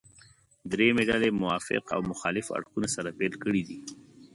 درېیمې ډلې موافق او مخالف اړخونه سره بېل کړي دي.